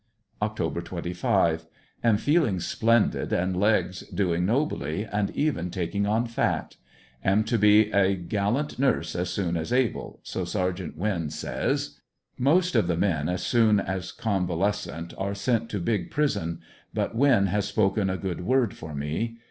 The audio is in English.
Oct. 25 — Am feeling splendid and legs doing nobly, and even taking on fat. Am to be a gallant nurse as soon as able, so Sergt. Winn says. Most of the men as soon as convalescent are sent to big prison, but Winn has spoken a good word for me.